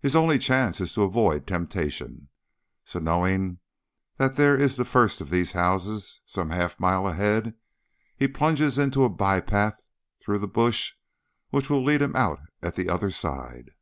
His only chance is to avoid temptation; so, knowing that there is the first of these houses some half mile ahead, he plunges into a byepath through the bush which will lead him out at the other side.